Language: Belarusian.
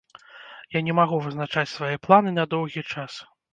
Я не магу вызначаць свае планы на доўгі час.